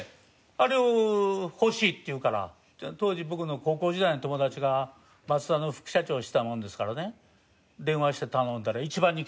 あれを欲しいって言うから当時僕の高校時代の友達がマツダの副社長をしてたものですからね電話して頼んだら一番に来たよね。